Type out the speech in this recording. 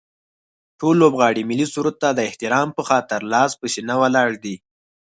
ټول لوبغاړي ملي سرود ته د احترام به خاطر لاس په سینه ولاړ دي